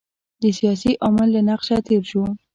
د سیاسي عامل له نقشه تېر شو.